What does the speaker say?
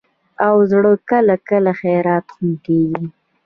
اوړه کله کله خیرات هم کېږي